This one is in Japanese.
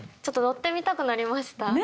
ちょっと乗ってみたくなりました。